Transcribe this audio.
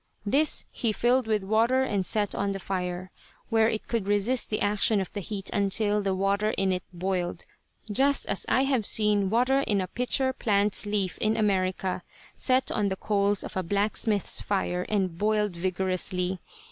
This he filled with water and set on the fire, where it would resist the action of the heat until the water in it boiled, just as I have seen water in a pitcher plant's leaf in America set on the coals of a blacksmith's fire and boiled vigorously.